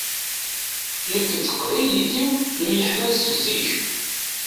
Nekk d teqbaylit-iw nemyeḥmmal seg zik.